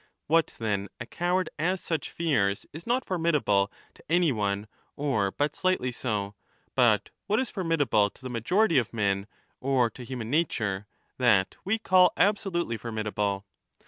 What, then, a coward as such fears is not formidable to any one or but 25 slightly so ; but what is formidable to the majority of men or to human nature, that we call absolutely formidable.